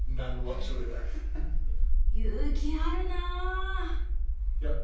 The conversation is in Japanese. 勇気あるなあ。